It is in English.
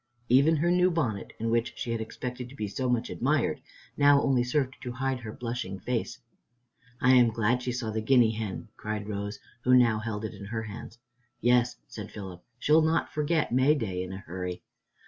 Even her new bonnet, in which she had expected to be so much admired, now only served to hide her blushing face. "I am glad she saw the guinea hen," cried Rose, who now held it in her hands. "Yes," said Philip, "she'll not forget Mayday in a hurry."